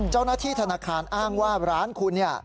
เจ้าหน้าที่ธนาคารอ้างว่าร้านคุณเนี่ย